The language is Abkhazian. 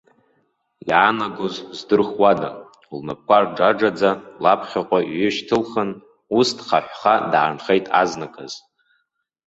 Иаанагоз здырхуада, лнапқәа рџаџаӡа лаԥхьаҟа иҩышьҭылхын, ус дхаҳәха даанхеит азныказ.